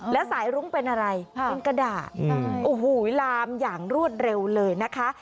แล้วสายรุ้งเป็นอะไรเป็นกระดาษโอ้โหลามอย่างรวดเร็วเลยนะคะ